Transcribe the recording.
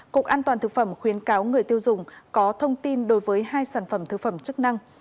cục an toàn thực phẩm khuyến cáo người tiêu dùng có thông tin đối với hai sản phẩm thực phẩm chức năng